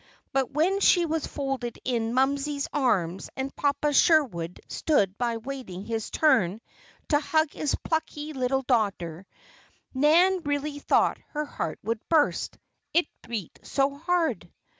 But when she was folded in "Momsey's" arms, and "Papa Sherwood" stood by waiting his turn to hug his plucky little daughter, Nan really thought her heart would burst, it beat so hard.